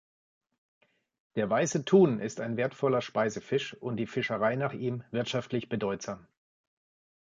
Der Weiße Thun ist ein wertvoller Speisefisch und die Fischerei nach ihm wirtschaftlich bedeutsam.